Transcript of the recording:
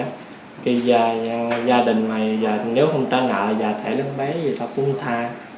thì gia đình này nếu không trả nợ và thẻ lớn bé thì ta cũng không tha